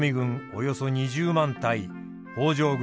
およそ２０万対北条軍